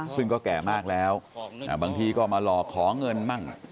ซึ่งก็แก่มากแล้วบางทีก็มาหลอกขอเงินมั่ง